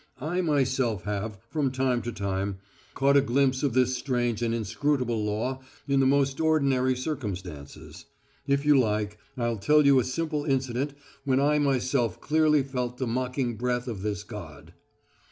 I myself have, from time to time, caught a glimpse of this strange and inscrutable law in the most ordinary occurrences. If you like, I'll tell you a simple incident when I myself clearly felt the mocking breath of this god.